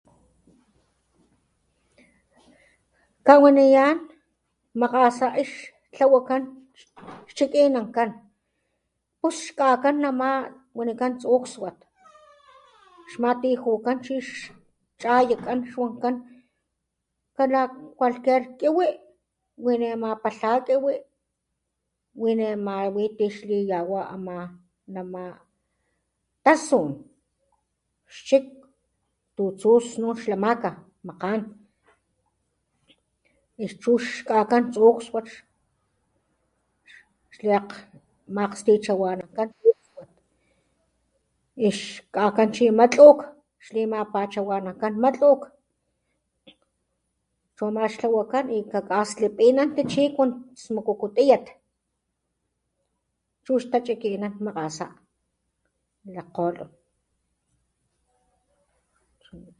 Kawaniyán makasá ix tlawakán chikinankán, pus kakan namá wanikán ktsukswit, xmatijukán chi , xchayakán xwankán, kala cualquier kiwi, we ne ma palhakiwí we nemá witi xliyawá, namá tasun xchik tutsú snun xlalamaka makán chu ixkakán tsukswit, xlekakgstichiwinankán, ix kakan chi matluk , xli mapachawanankán matluk, chumá xtlawakan, kakaslipinanti chi kun smukuku tiyat chu xtachikinan makasa lakgkgolon.